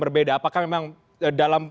berbeda apakah memang dalam